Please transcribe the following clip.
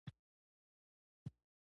خبر لیکونکي رپوټ ورکړ.